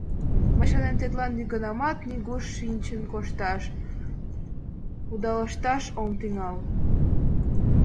Мый шонем, тетла нигунамат нигуш шинчын кошташ, кудалышташ ом тӱҥал.